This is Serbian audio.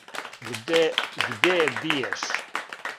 Гдје је бијеш?